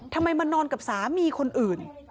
ทำไมมานอนกับสามีคนอื่น